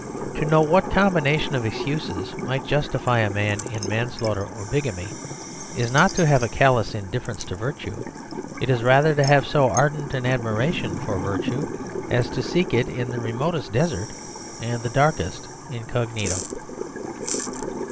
To know what combination of excuse might justify a man in manslaughter or bigamy, is not to have a callous indifference to virtue; it is rather to have so ardent an admiration for virtue as to seek it in the remotest desert and the darkest incognito.